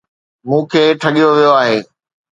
مون کي ٺڳيو ويو آهي